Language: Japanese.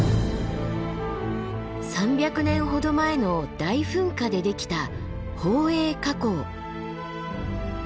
３００年ほど前の大噴火でできた宝永火口。